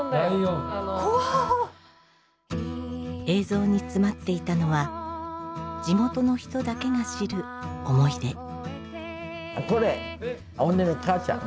映像に詰まっていたのは地元の人だけが知る思い出。